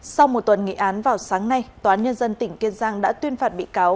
sau một tuần nghị án vào sáng nay tòa án nhân dân tỉnh kiên giang đã tuyên phạt bị cáo